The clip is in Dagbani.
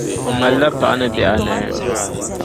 O mali la paɣa ni bihi anahi.